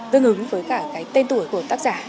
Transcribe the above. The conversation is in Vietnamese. tương ứng với cả cái tên tuổi của tác giả